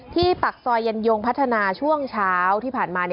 ปากซอยยันยงพัฒนาช่วงเช้าที่ผ่านมา